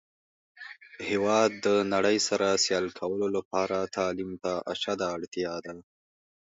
هیواد د نړۍ سره سیال کولو لپاره تعلیم ته اشده اړتیا ده.